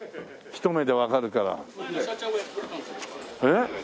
ひと目でわかるから。